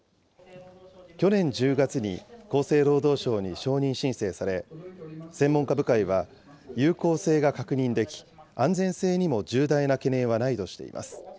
去年１０月に厚生労働省に承認申請され、専門家部会は、有効性が確認でき、安全性にも重大な懸念はないとしています。